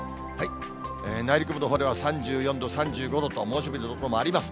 内陸部のほうでは３４度、３５度と猛暑日の所もあります。